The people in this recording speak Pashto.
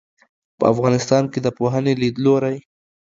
په افغانستان کې د پوهنې لیدلورى